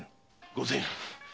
御前。